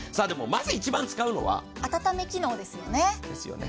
まず一番使うのは温め機能ですよね。